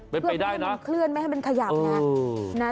เพื่อมันเคลื่อนไม่ให้มันขยับเนี่ย